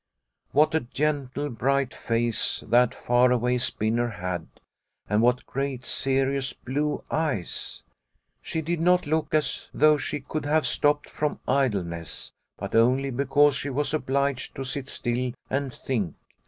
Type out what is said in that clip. What a gentle, bright face that far away spinner had, and what great serious blue eyes ! She did not look as though she could have The Spinning wheels 25 stopped from idleness, but only because she was obliged to sit still and think.